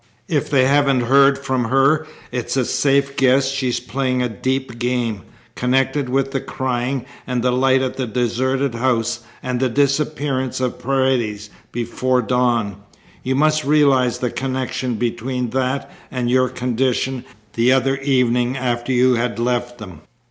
If they haven't heard from her it's a safe guess she's playing a deep game, connected with the crying, and the light at the deserted house, and the disappearance of Paredes before dawn. You must realize the connection between that and your condition the other evening after you had left them."